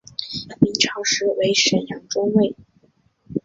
明朝时为沈阳中卫。